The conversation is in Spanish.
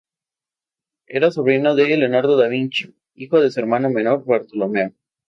Era sobrino de Leonardo da Vinci, hijo de su hermano menor Bartolomeo.